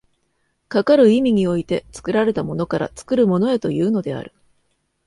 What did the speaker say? かかる意味において、作られたものから作るものへというのである。